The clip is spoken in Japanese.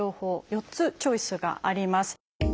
４つチョイスがあります。